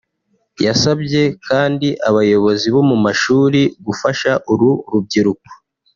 yasabye kandi abayobozi bo mu mashuri gufasha uru rubyiruko